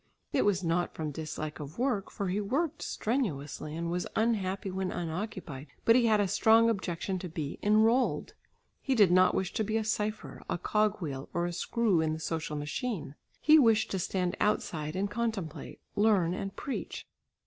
It was not from dislike of work, for he worked strenuously and was unhappy when unoccupied, but he had a strong objection to be enrolled. He did not wish to be a cypher, a cog wheel, or a screw in the social machine. He wished to stand outside and contemplate, learn and preach.